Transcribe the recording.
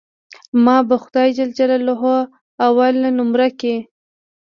ما به خداى جل جلاله اول نؤمره کي.